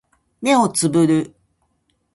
目をつぶる